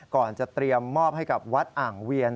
ก่อนจะเตรียมมอบให้กับวัดอ่างเวียน